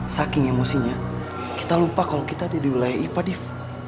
saking emosinya kita lupa kalo kita di wilayah ipa riff